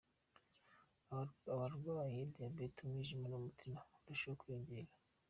Abarwaye Diabeti, umwijima n’umutima barushaho kwiyongera